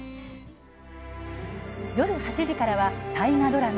夜８時からは大河ドラマ